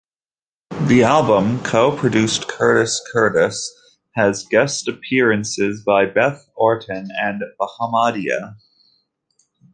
The album, co-produced Curtis Curtis, has guest appearances by Beth Orton and Bahamadia.